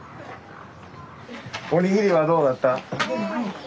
おにぎりはどうだった？